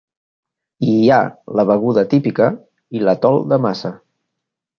I hi ha la beguda típica i l'atol de massa.